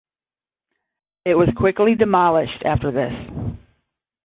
It was quickly demolished after this.